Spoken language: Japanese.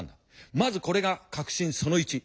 まずこれが確信その１。